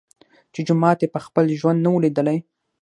چي جومات یې په خپل ژوند نه وو لیدلی